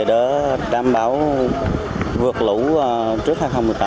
để đảm bảo vượt lũ trước hai nghìn một mươi tám